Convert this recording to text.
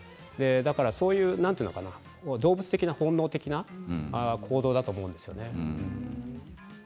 なんていうのかな動物的な本能的な構造だと思うんですよね。